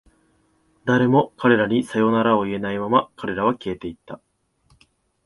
誰も彼らにさよならを言えないまま、彼らは消えていった。